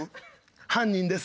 犯人です。